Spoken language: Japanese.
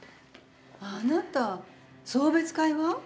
あなた送別会は？